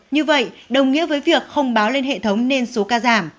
như vậy đồng nghĩa với việc không báo lên hệ thống nên số ca giảm